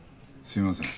「すいません」